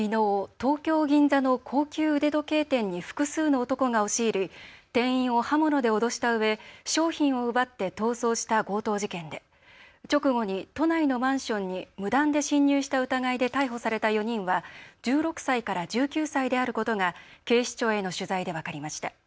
東京銀座の高級腕時計店に複数の男が押し入り店員を刃物で脅したうえ商品を奪って逃走した強盗事件で直後に都内のマンションに無断で侵入した疑いで逮捕された４人は１６歳から１９歳であることが警視庁への取材で分かりました。